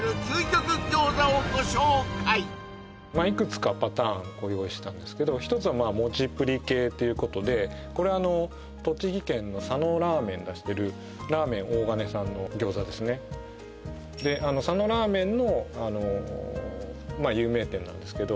いくつかパターンご用意したんですけど一つはまあモチプリ系っていうことでこれあの栃木県の佐野ラーメン出してるらーめん大金さんの餃子ですねであの佐野ラーメンのあのまあ有名店なんですけど